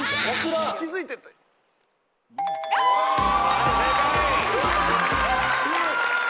はい正解！